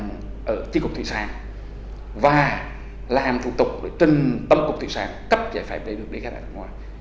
làm ở trí cục thủy sản và làm thủ tục để trên tâm cục thủy sản cấp giải pháp để được đi khai thác hải sản